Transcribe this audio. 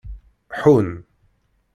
Ḥun.